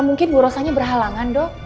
mungkin bu rosanya berhalangan dok